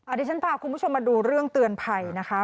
ที่ฉันพาคุณผู้ชมมาดูเรื่องเตือนภัยนะคะ